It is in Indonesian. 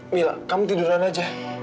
mila kamu tiduran aja